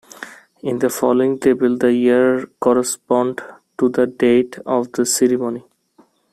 In the following table, the years correspond to the date of the ceremony.